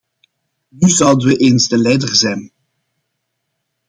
Nu zouden we eens de leider zijn.